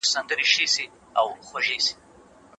غوټه يا يو ځای کېدل له يوه اړخه ممکن ندي